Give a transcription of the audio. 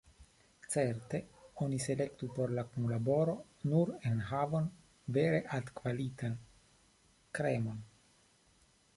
Certe, oni selektu por la kunlaboro nur enhavon vere altkvalitan, “kremon”.